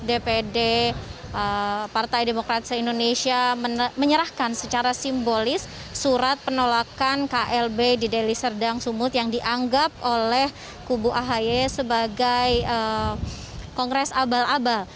dpd partai demokrat se indonesia menyerahkan secara simbolis surat penolakan klb di deli serdang sumut yang dianggap oleh kubu ahy sebagai kongres abal abal